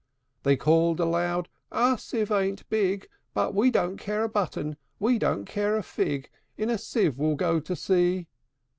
They called aloud, "Our sieve ain't big; But we don't care a button, we don't care a fig: In a sieve we'll go to sea!"